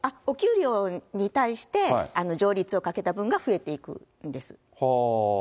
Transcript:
お給料に対して、じょうりつをかけた分が増えていくんです。